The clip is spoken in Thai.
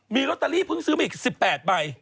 มีลอตเตอรี่เพิ่งซื้อมาอีก๑๘ใบ